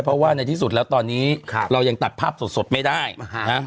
เพราะว่าในที่สุดแล้วตอนนี้ครับเรายังตัดภาพสดสดไม่ได้นะฮะ